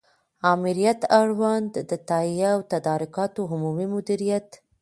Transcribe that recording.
آمریت اړوند د تهیه او تدارکاتو عمومي مدیریت